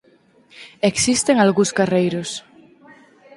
Existen algúns carreiros.